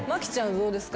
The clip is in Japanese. どうですか？